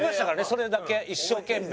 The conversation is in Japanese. それだけ一生懸命。